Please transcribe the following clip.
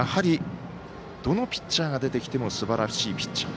どのピッチャーが出てきてもすばらしいピッチャー。